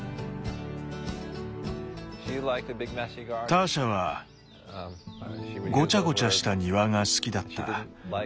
ターシャはごちゃごちゃした庭が好きだった。